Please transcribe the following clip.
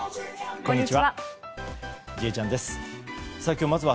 こんにちは。